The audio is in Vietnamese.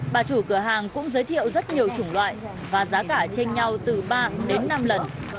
bà chủ cửa hàng cũng giới thiệu rất nhiều chủng loại và giá cả trên nhau từ ba đến năm lần